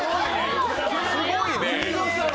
すごいね。